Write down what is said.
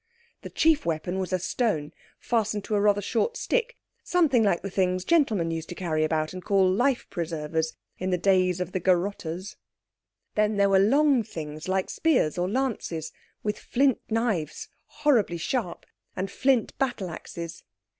The chief weapon was a stone fastened to a rather short stick something like the things gentlemen used to carry about and call life preservers in the days of the garrotters. Then there were long things like spears or lances, with flint knives—horribly sharp—and flint battle axes.